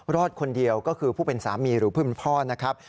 รอดคนเดียวก็คือผู้เป็นสามีหรือผู้เป็นพ่อนะครับ